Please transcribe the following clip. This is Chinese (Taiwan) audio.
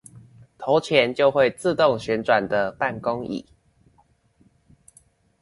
投錢就會自動旋轉的辦公椅